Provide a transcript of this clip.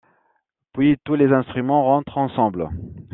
Puis tous les instruments rentrent ensemble.